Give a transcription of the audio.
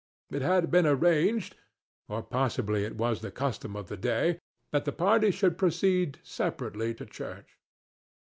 It had been arranged, or possibly it was the custom of the day, that the parties should proceed separately to church.